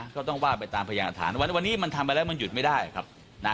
ก็ต้องว่าไปตามพยานฐานวันนี้มันทำไปแล้วมันหยุดไม่ได้ครับนะ